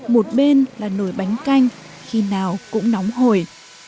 một bên là nổi bánh canh khi nào cũng nóng hồi